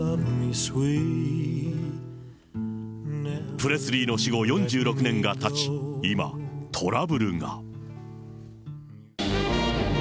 プレスリーの死後４６年がたち、今、トラブルが。